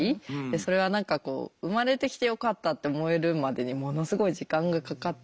でそれは何かこう生まれてきてよかったって思えるまでにものすごい時間がかかっていて。